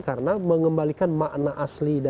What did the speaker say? karena mengembalikan makna asli